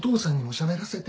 しゃべらせて。